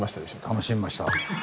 楽しみました。